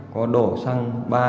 có đổ xăng ba